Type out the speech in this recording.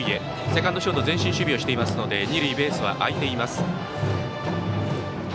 セカンド、ショートが前進守備ですので二塁ベースは空いています。